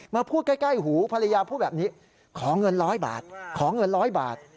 มาพูดใกล้หูภรรยาพูดแบบนี้ขอเงิน๑๐๐บาทขอเงิน๑๐๐บาท